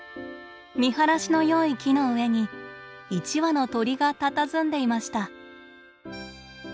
見晴らしのよい木の上に一羽の鳥がたたずんでいました。